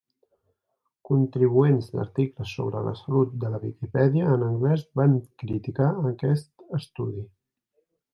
Contribuents d'articles sobre la salut de la Viquipèdia en anglès van criticar aquest estudi.